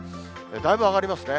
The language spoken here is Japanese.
だいぶ上がりますね。